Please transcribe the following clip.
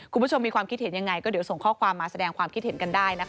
คุณผู้ชมมีความคิดเห็นยังไงก็เดี๋ยวส่งข้อความมาแสดงความคิดเห็นกันได้นะคะ